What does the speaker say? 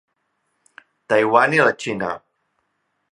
Taiwan i la Xina.